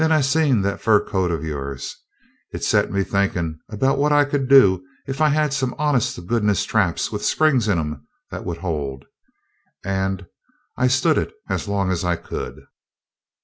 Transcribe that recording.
Then I seen that fur coat of yours. It set me thinking about what I could do if I had some honest to goodness traps with springs in 'em that would hold and I stood it as long as I could."